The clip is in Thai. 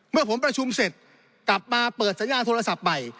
เมื่อผมประชุมเสร็จกลับมาเปิดสัญญาณโทรศัพท์ใหม่